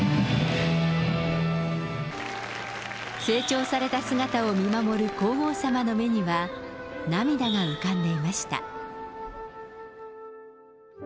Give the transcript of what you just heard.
成長された姿を見守る皇后さまの目には、涙が浮かんでいました。